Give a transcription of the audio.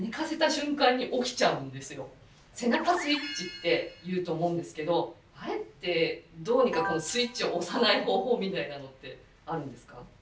「背中スイッチ」って言うと思うんですけどあれってどうにかこの「スイッチ」を押さない方法みたいなのってあるんですか？